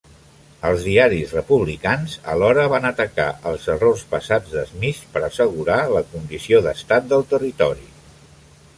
Els diaris republicans, alhora, van atacar els errors passats d'Smith per assegurar la condició d'estat del territori.